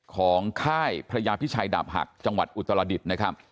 ค่ายพระยาพิชัยดาบหักจังหวัดอุตรดิษฐ์นะครับ